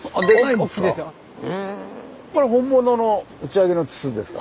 これ本物の打ち上げの筒ですか？